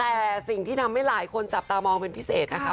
แต่สิ่งที่ทำให้หลายคนจับตามองเป็นพิเศษนะคะ